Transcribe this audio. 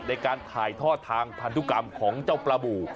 ในการถ่ายทอดทางพันธุกรรมของเจ้าปลาบู